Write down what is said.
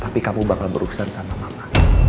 tapi kamu bakal berurusan sama mama